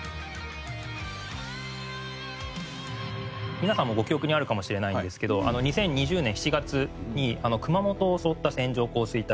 皆さんもご記憶にあるかもしれないんですけど２０２０年７月に熊本を襲った線状降水帯。